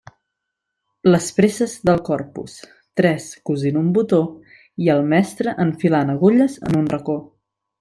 Les presses del Corpus: tres cosint un botó i el mestre enfilant agulles en un racó.